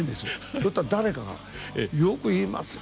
だったら、誰かが「よく言いますよ！